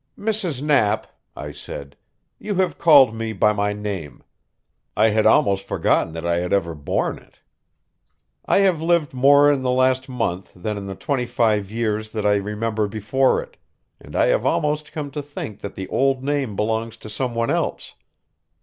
"Mrs. Knapp," I said, "you have called me by my name. I had almost forgotten that I had ever borne it. I have lived more in the last month than in the twenty five years that I remember before it, and I have almost come to think that the old name belongs to some one else.